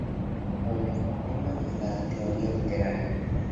Prolegómenos a la teoría literaria".